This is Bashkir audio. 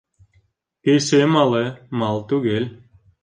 Кеше малы мал түгел